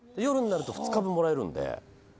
夜になると２日分もらえるんで。